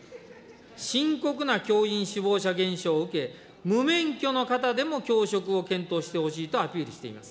深刻な教員志望者減少を受け、無免許の方でも教職を検討してほしいとアピールしています。